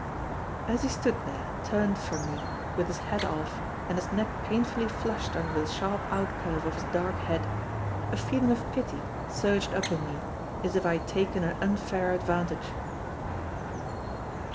As he stood there, turned from me, with his hat off, and his neck painfully flushed under the sharp outcurve of his dark head, a feeling of pity surged up in me, as if I had taken an unfair advantage.